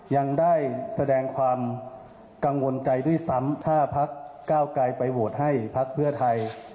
ยังได้แสดงความกังวลใจด้วยซ้ำถ้าพักเก้าไกลไปโหวตให้พักเพื่อไทย